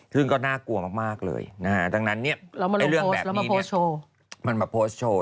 ซึ่งก็น่ากลัวมากเลยนะฮะดังนั้นเนี่ยเรื่องแบบนี้มันมาโพสต์โชว์